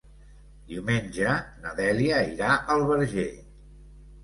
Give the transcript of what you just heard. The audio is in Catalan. Diumenge na Dèlia irà al Verger.